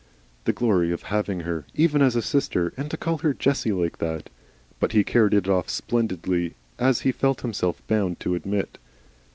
The glory of having her, even as a sister! and to call her Jessie like that! But he carried it off splendidly, as he felt himself bound to admit.